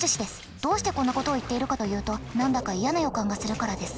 どうしてこんなことを言っているかというと何だか嫌な予感がするからです。